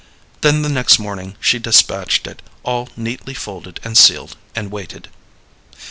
Then the next morning she despatched it, all neatly folded and sealed, and waited.